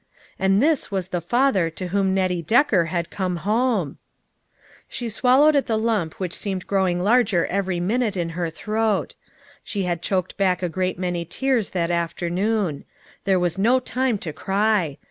And this was the father to whom Nettie Decker had come home ! She swallowed at the lump which seemed growing larger every minute in her throat. She had choked back a great many tears that after noon. There was no time to cry.